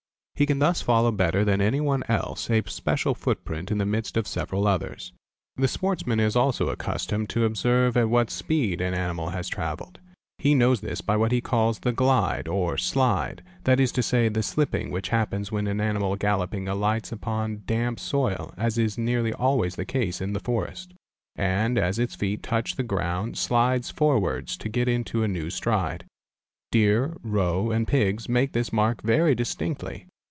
'He can thus follow better than any one else a special footprint in the 'midst of several others. The sportsman is also accustomed to observe at what speed an animal has travelled: he knows this by what he calls the a "glide," or "slide", that is to say the slipping which happens when an _ animal galloping alighis upon damp soil, as is nearly always the case in the forest, and as its feet touch the ground slides forwards to get into a "new stride. Deer, roe, and pigs make this mark very distinctly.